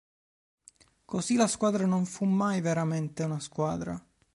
Così, la squadra non fu mai veramente una squadra.